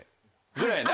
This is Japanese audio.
ぐらいやな？